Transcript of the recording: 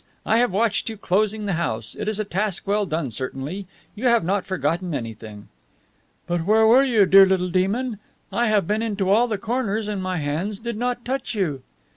I have watched you closing the house. It is a task well done, certainly. You have not forgotten anything." "But where were you, dear little demon? I have been into all the corners, and my hands did not touch you."